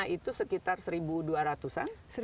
dua ribu lima itu sekitar satu dua ratus an